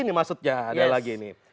ini maksudnya ada lagi ini